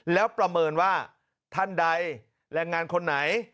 แล้วประเมินว่าท่านใดแรงงานคนไหน